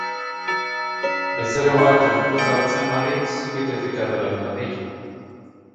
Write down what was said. Bezero bat trenputxartzen balitz, fite-fite arduraduna deitu.